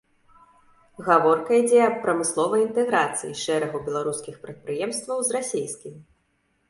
Гаворка ідзе аб прамысловай інтэграцыі шэрагу беларускіх прадпрыемстваў з расейскімі.